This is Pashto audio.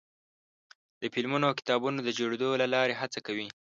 د فلمونو او کتابونو د جوړېدو له لارې هڅه کوي.